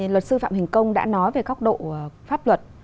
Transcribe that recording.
luật sư phạm hình công đã nói về góc độ pháp luật